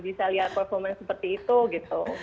bisa lihat performance seperti itu gitu